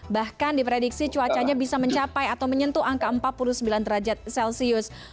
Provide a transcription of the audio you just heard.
bahkan diprediksi cuacanya bisa mencapai atau menyentuh angka empat puluh sembilan derajat celcius